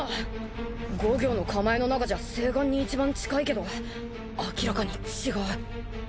五行の構えの中じゃ正眼に一番近いけど明らかに違う。